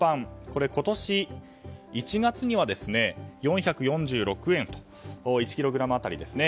これ、今年１月には４４６円と１ｋｇ当たりですね